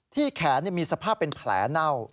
แขนมีสภาพเป็นแผลเน่า